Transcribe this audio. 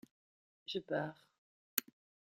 Je pars.